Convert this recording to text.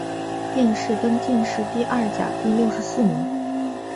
殿试登进士第二甲第六十四名。